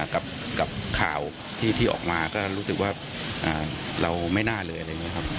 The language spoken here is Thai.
กับข่าวที่ออกมาก็รู้สึกว่าเราไม่น่าเลย